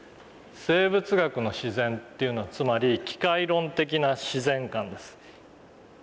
「生物学の自然」っていうのはつまり機械論的な自然観です。